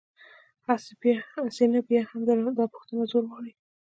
هسې، نه بیا هم، دا پوښتنه زور غواړي.